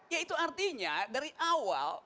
ya itu artinya dari awal